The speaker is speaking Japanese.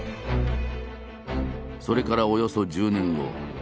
それからおよそ１０年後。